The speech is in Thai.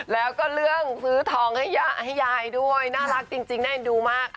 แล้วก็เรื่องซื้อทองให้ยายด้วยน่ารักจริงน่าเอ็นดูมาก